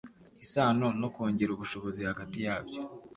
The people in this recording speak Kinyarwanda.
isano no kongera ubushobozi hagati yabyo.